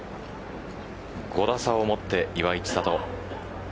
５打差を持って岩井千怜。